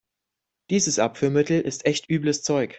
Dieses Abführmittel ist echt übles Zeug.